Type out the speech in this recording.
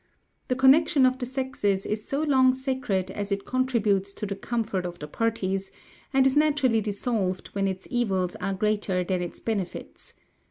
The connection of the sexes is so long sacred as it contributes to the comfort of the parties, and is naturally dissolved when its evils are greater than its benefits.